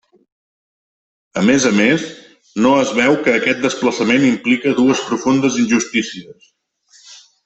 A més a més, no es veu que aquest desplaçament implica dues profundes injustícies.